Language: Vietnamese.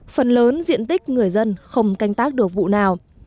phần lớn diện tích người dân không canh tác được vụ nào